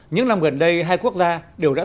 những năm gần đây hai quốc gia đều đã